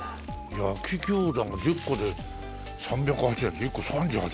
焼き餃子が１０個で３８０円で１個３８円って。